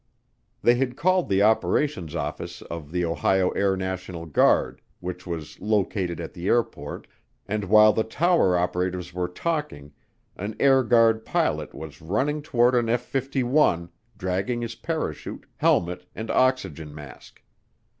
They had called the operations office of the Ohio Air National Guard, which was located at the airport, and while the tower operators were talking, an Air Guard pilot was running toward an F 51, dragging his parachute, helmet, and oxygen mask.